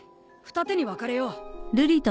二手に分かれよう。